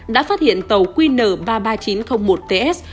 đã phát hiện tàu qn ba mươi ba nghìn chín trăm linh một ts